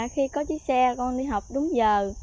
khi có chiếc xe con đi học đúng giờ